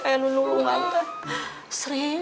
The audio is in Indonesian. ya bener baik